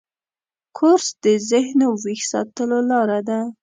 کورس د ذهنو ویښ ساتلو لاره ده.